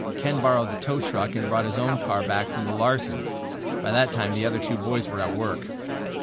Ken borrowed the tow truck and brought his own car back from the Larsens'. By that time the other two boys were at work.